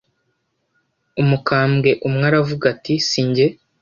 Umukambwe umwe aravuga ati singe